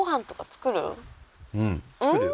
うん作るよ。